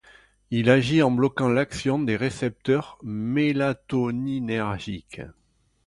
Il agit en bloquant l'action des récepteurs mélatoninergiques.